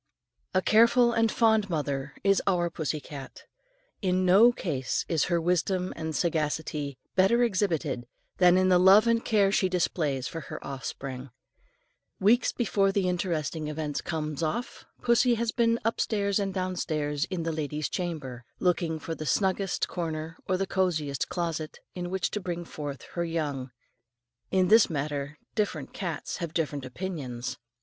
A careful and fond mother is our pussy cat. In no case is her wisdom and sagacity better exhibited than in the love and care she displays for her offspring. Weeks before the interesting event comes off, pussy has been "upstairs and downstairs and in the lady's chamber," looking for the snuggest corner or the cosiest closet in which to bring forth her young. In this matter different cats have different opinions.